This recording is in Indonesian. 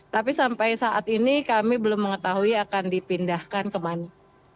tapi sampai saat ini kami belum mengetahui akan dipindahkan kemana